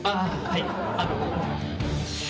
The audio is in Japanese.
はい。